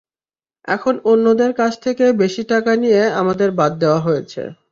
এখন অন্যদের কাছ থেকে বেশি টাকা নিয়ে আমাদের বাদ দেওয়া হয়েছে।